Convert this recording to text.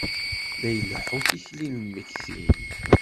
La ileḥḥu, tikli n lmegtin.